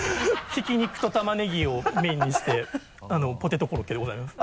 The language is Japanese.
ひき肉とタマネギをメインにしたポテトコロッケでございます。